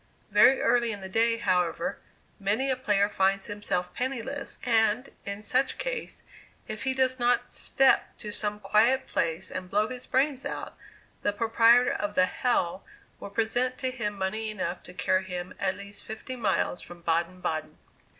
Very early in the day, however, many a player finds himself penniless, and, in such case, if he does not step to some quiet place and blow his brains out, the proprietor of the "hell" will present to him money enough to carry him at least fifty miles from Baden Baden.